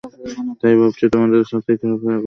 তাই ভাবছি, তোমাদের সাথেই ঘোরাফেরা করলে কেমন হয়।